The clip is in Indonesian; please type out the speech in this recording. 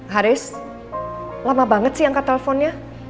haris lama banget sih angka teleponnya